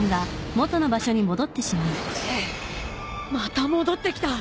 また戻ってきた。